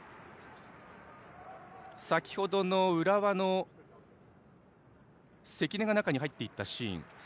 先ほど、浦和の関根が中に入っていったシーンです。